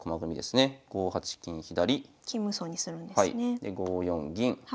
で５四銀。